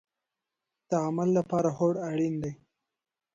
د عمل لپاره هوډ اړین دی